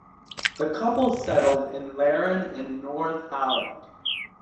The couple settled in Laren in North Holland.